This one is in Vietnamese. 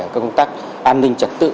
các công tác an ninh trật tự